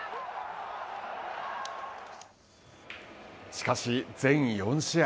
しかし、全４試合。